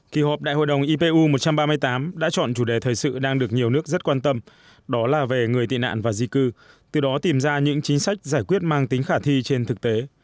kỳ họp đại hội đồng ipu một trăm ba mươi tám đã chọn chủ đề thời sự đang được nhiều nước rất quan tâm đó là về người tị nạn và di cư từ đó tìm ra những chính sách giải quyết mang tính khả thi trên thực tế